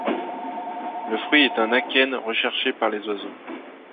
Le fruit est un akène, recherché par les oiseaux.